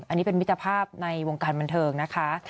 อันนี้เป็นมิตรภาพในวงการบันเทิงนะคะ